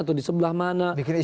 atau di sebelah mana